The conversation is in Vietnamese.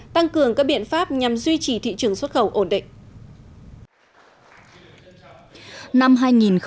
tăng cường các biện pháp nhằm duy trì thị trường xuất khẩu ổn định